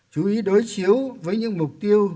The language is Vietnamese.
chú ý đối chiếu với những mục tiêu